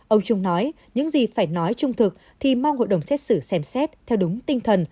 ông trung nói những gì phải nói trung thực thì mong hội đồng xét xử xem xét theo đúng tinh thần